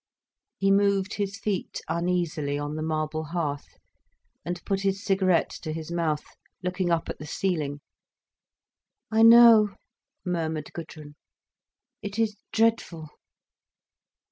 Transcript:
He moved his feet uneasily on the marble hearth, and put his cigarette to his mouth, looking up at the ceiling. "I know," murmured Gudrun: "it is dreadful."